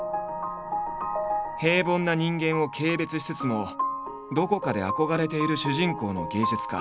平凡な人間を軽蔑しつつもどこかで憧れている主人公の芸術家。